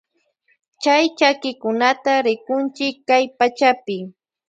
Chay llakikunata rikunchi kay pachapi.